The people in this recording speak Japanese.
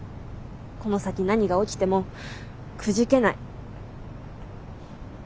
この先何が起きてもくじけない。